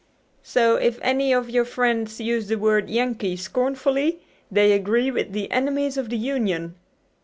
So if any of your friends use the word 'Yankee' scornfully they agree with the enemies of the Union.